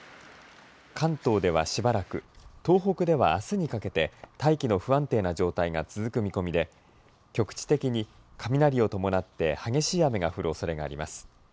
関東では、しばらく東北では、あすにかけて大気の不安定な状態が続く見込みで局地的に雷を伴って激しい雨が降るおそれがあります。